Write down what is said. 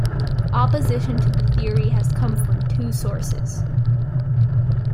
Opposition to the theory has come from two sources.